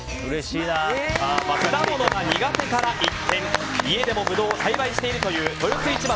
果物が苦手から一転、家でもブドウを栽培しているという豊洲市場